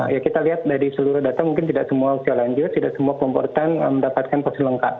ya kita lihat dari seluruh data mungkin tidak semua usia lanjut tidak semua komponen mendapatkan porsi lengkap